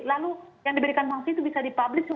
lalu yang diberikan sanksi itu bisa dipublis nggak